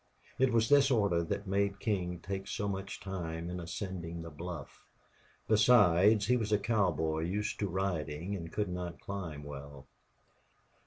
It was this order that made King take so much time in ascending the bluff. Besides, he was a cowboy, used to riding, and could not climb well.